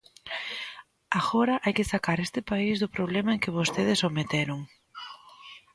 Agora hai que sacar este país do problema en que vostedes o meteron.